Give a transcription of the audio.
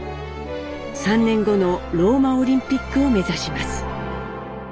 ３年後のローマオリンピックを目指します。